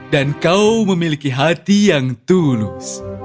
dan kau memiliki hati yang tulus